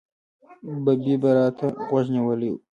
ببۍ به را ته غوږ نیولی و.